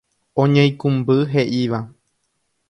Oñeikũmby he'íva.